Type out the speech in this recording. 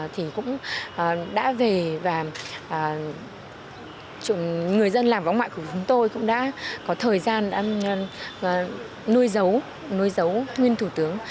thì cũng đã về và người dân làng võng ngoại của chúng tôi cũng đã có thời gian nuôi giấu nguyên thủ tướng